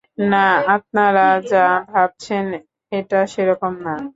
না, আপনারা যা ভাবছেন এটা সেরকম না।